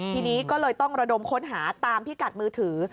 ทีนี้ก็เลยต้องระดมค้นหาตามพิกัดมือถือ